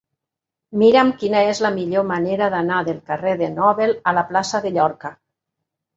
Mira'm quina és la millor manera d'anar del carrer de Nobel a la plaça de Llorca.